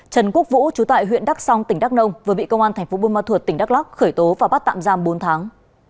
trần quốc vũ chú tại huyện đắk song tỉnh đắk nông vừa bị công an tp bun ma thuật tỉnh đắk lóc khởi tố và bắt tạm giam bốn tháng